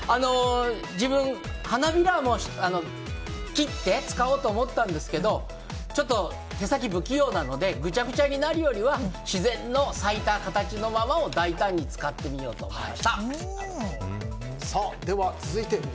自分、花びらを切って使おうと思ったんですけどちょっと手先不器用なのでぐちゃぐちゃになるよりは自然の咲いた形のままを大胆に使ってみようとでは、続いて。